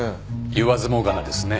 言わずもがなですね。